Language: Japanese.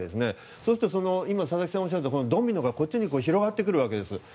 そうすると今、佐々木さんがおっしゃられたドミノが、こっちに広がってくるわけです。